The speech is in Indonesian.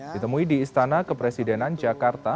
ditemui di istana kepresidenan jakarta